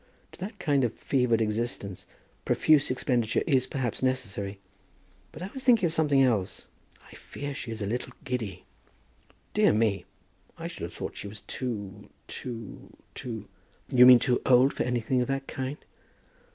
To that kind of fevered existence profuse expenditure is perhaps necessary. But I was thinking of something else. I fear she is a little giddy." "Dear me! I should have thought she was too too too " "You mean too old for anything of that kind.